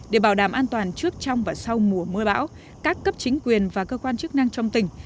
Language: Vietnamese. để bảo đảm an toàn trước trong và sau mùa mưa bão các cấp chính quyền và cơ quan chức năng trong tỉnh